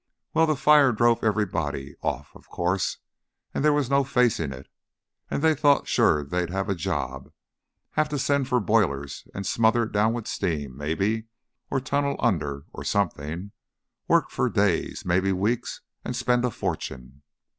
Well, the fire drove everybody off, of course; there was no facing it, and they thought sure they'd have a job have to send for boilers and smother it down with steam, maybe, or tunnel under, or something work for days, maybe weeks, and spend a fortune.